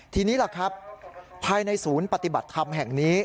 ทีนี้ล่ะครับภายในศูนย์ปฏิบัติธรรมแห่งนี้